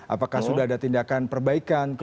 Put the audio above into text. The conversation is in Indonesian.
apakah sudah ada tindakan perbaikan